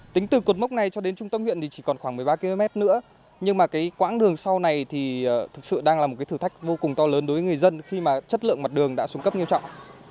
tính từ cột mốc này cho đến trung tâm huyện thì chỉ còn khoảng một mươi ba km nữa nhưng mà cái quãng đường sau này thì thực sự đang là một cái thử thách vô cùng to lớn đối với người dân khi mà chất lượng mặt đường đã xuống cấp nghiêm trọng